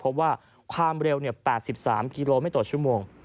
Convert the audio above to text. เพราะว่าความเร็ว๘๓กิโลเมตรต่อชั่วโมง